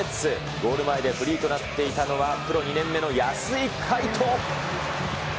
ゴール前でフリーとなっていたのはプロ２年目の安居海渡。